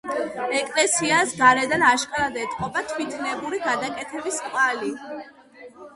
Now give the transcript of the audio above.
ეკლესიას გარედან აშკარად ეტყობა თვითნებური გადაკეთების კვალი.